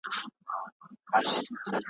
تېرول چي مي کلونه هغه نه یم ,